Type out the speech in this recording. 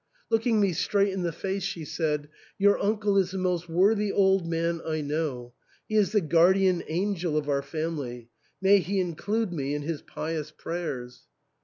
Looking me straight in the face, she said, "Your uncle is the most worthy old man I know ; he is the guardian angel of our family. May he include me in his pious prayers!"